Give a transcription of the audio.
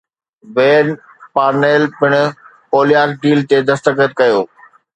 وين Parnell پڻ Kolpak deal تي دستخط ڪيو